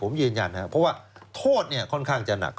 ผมยืนยันนะครับเพราะว่าโทษค่อนข้างจะหนัก